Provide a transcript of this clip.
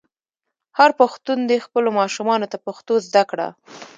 هر پښتون دې خپلو ماشومانو ته پښتو زده کړه.